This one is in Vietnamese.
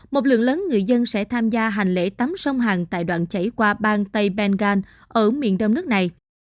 một lượng lớn người dân sẽ tham gia hành lễ tắm sông hàng tại đoạn chảy qua bang tây bengal ở miền đông nước này